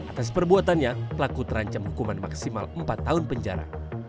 atas perbuatannya pelaku terancam hukuman maksimal empat tahun penjara